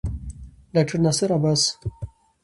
ډاکټر ناصر عباس